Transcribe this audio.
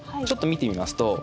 ちょっと見てみますと。